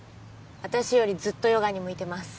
私よりずっとヨガに向いてます